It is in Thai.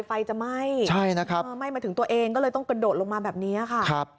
ไฟจะไหม้ใช่นะครับไหม้มาถึงตัวเองก็เลยต้องกระโดดลงมาแบบนี้ค่ะ